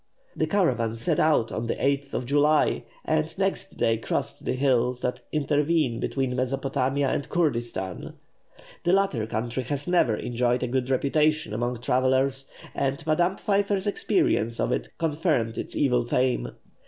The caravan set out on the 8th of July, and next day crossed the hills that intervene between Mesopotamia and Kurdistan. The latter country has never enjoyed a good reputation among travellers, and Madame Pfeiffer's experience of it confirmed its evil fame.